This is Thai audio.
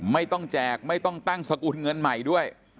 แจกไม่ต้องตั้งสกุลเงินใหม่ด้วย